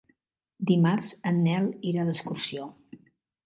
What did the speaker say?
Dimarts en Nel irà d'excursió.